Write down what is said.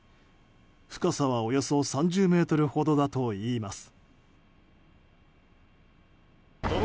深さはおよそ３０ｍほどだといいます。